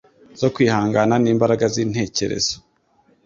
zo kwihangana, n’imbaraga z’intekerezo